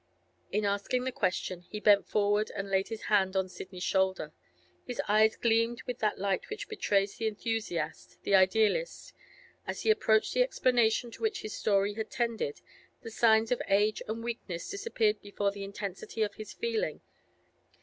In asking the question, he bent forward and laid his hand on Sidney's shoulder. His eyes gleamed with that light which betrays the enthusiast, the idealist. As he approached the explanation to which his story had tended, the signs of age and weakness disappeared before the intensity of his feeling.